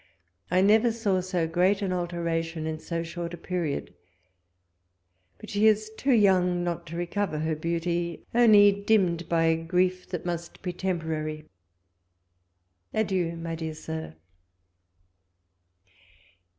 I never saw so great an alteration in so short a period ; but she is too young not to recover her beauty, only dinuned by grief that must be temporary. Adieu ! mv dear Sir.